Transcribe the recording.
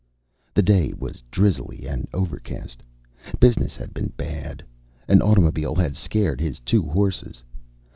The day was drizzly and overcast. Business had been bad. An automobile had scared his two horses.